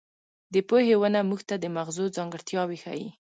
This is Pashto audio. د پوهې ونه موږ ته د مغزو ځانګړتیاوې ښيي.